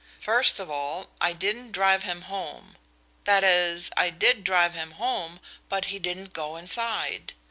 First of all, I didn't drive him home. That is, I did drive him home, but he didn't go inside.